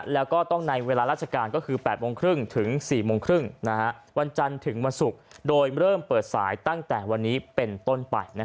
แล้วก็ต้องในเวลาราชการก็คือ๘โมงครึ่งถึง๔โมงครึ่งวันจันทร์ถึงวันศุกร์โดยเริ่มเปิดสายตั้งแต่วันนี้เป็นต้นไป